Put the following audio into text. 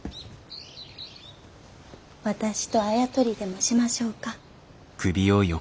私とあや取りでもしましょうか。